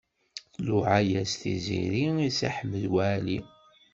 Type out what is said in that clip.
Tluɛa-yas Tiziri i Si Ḥmed Waɛli.